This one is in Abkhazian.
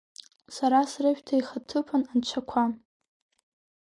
Сара срышәҭа ихаҭыԥан анцәақәа…